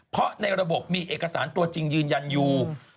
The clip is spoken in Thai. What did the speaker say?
เพราะในระบบมีเอกสารตัวจริงยืนยันอยู่